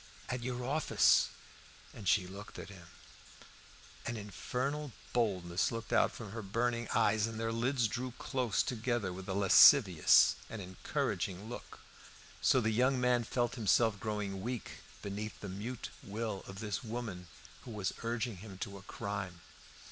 "At your office." And she looked at him. An infernal boldness looked out from her burning eyes, and their lids drew close together with a lascivious and encouraging look, so that the young man felt himself growing weak beneath the mute will of this woman who was urging him to a crime.